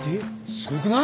すごくない？